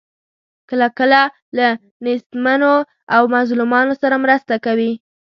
کله کله له نیستمنو او مظلومانو سره مرسته کوي.